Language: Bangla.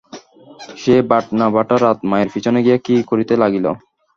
সে বাটনা-বাটা-রত মায়ের পিছনে গিয়া কি করিতে লাগিল।